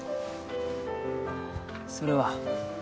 それは？